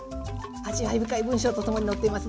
味わい深い文章と共に載っています。